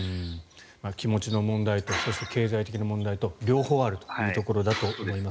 気持ちの問題とそして経済的な問題と両方あるというところだと思います。